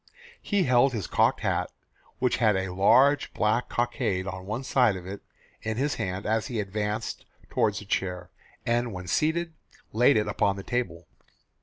He held his cocked hat, which had a large black cockade on one side of it, in his hand, as he advanced toward the chair, and when seated, laid it on the table.